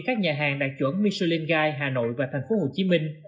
các nhà hàng đạt chuẩn michelin guide hà nội và tp hcm